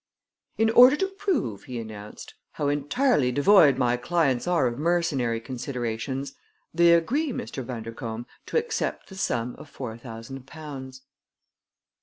"In order to prove," he announced, "how entirely devoid my clients are of mercenary considerations, they agree, Mr. Bundercombe, to accept the sum of four thousand pounds."